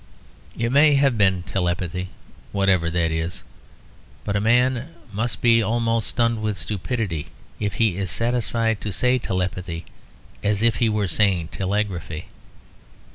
It may have been telepathy, whatever that is; but a man must be almost stunned with stupidity if he is satisfied to say telepathy as if he were saying telegraphy.